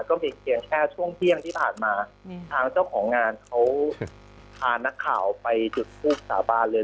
ก็มีเพียงแค่ช่วงเที่ยงที่ผ่านมาทางเจ้าของงานเขาพานักข่าวไปจุดทูบสาบานเลย